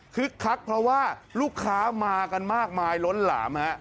คักเพราะว่าลูกค้ามากันมากมายล้นหลามฮะ